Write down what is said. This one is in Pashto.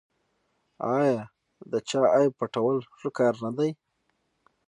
آیا د چا عیب پټول ښه کار نه دی؟